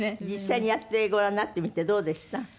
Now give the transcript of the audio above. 実際にやってごらんになってみてどうでした？